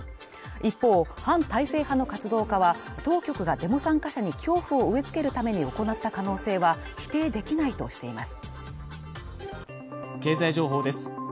一方、反体制派の活動家は、当局がデモ参加者に恐怖を植え付けるために行った可能性は否定できないとしています。